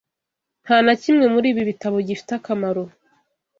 Nta na kimwe muri ibi bitabo gifite akamaro.